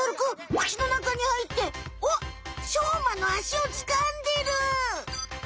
口の中にはいっておっしょうまのあしをつかんでる！